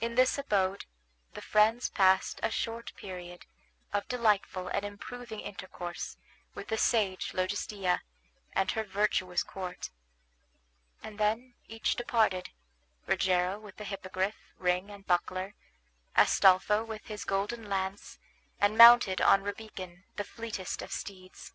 In this abode the friends passed a short period of delightful and improving intercourse with the sage Logestilla and her virtuous court; and then each departed, Rogero with the Hippogriff, ring, and buckler; Astolpho with his golden lance, and mounted on Rabican, the fleetest of steeds.